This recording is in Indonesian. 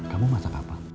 kamu masak apa